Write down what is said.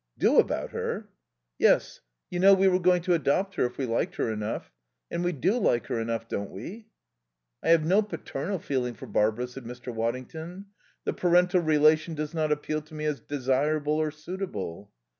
"Do about her?" "Yes. You know we were going to adopt her if we liked her enough. And we do like her enough, don't we?" "I have no paternal feeling for Barbara," said Mr. Waddington. "The parental relation does not appeal to me as desirable or suitable."